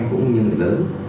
cũng như người lớn